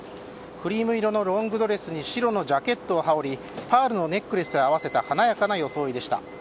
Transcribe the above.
クリーム色のロングドレスに白のジャケットを羽織りパールのネックレスを合わせた華やかな装いでした。